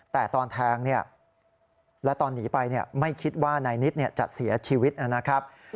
แต่ตอนแทงและตอนหนีไปไม่คิดว่านายนิดจะเสียชีวิตนะครับ